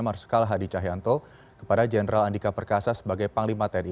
marsikal hadi cahyanto kepada jenderal andika perkasa sebagai panglima tni